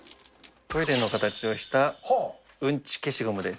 トイレの形をしたうんち消しゴムです。